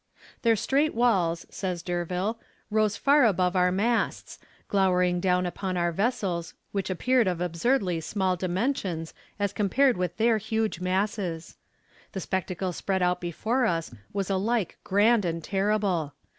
"Their straight walls," says D'Urville, "rose far above our masts, glowering down upon our vessels, which appeared of absurdly small dimensions, as compared with their huge masses. The spectacle spread out before us was alike grand and terrible.